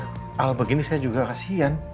tapi al begini saya juga kasihan